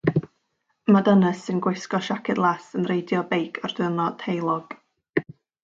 Mae dynes sy'n gwisgo siaced las yn reidio beic ar ddiwrnod heulog.